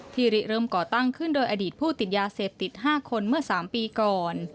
เริ่มก่อตั้งขึ้นโดยอดีตผู้ติดยาเสพติด๕คนเมื่อ๓ปีก่อน